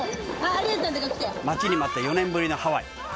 待ちに待った４年ぶりのハワイ。